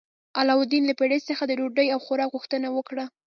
علاوالدین له پیري څخه د ډوډۍ او خوراک غوښتنه وکړه.